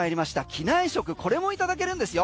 機内食これもいただけるんですよ。